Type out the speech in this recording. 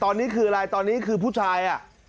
ตอนนี้คืออะไรตอนนี้คือผู้ชายอ่ะ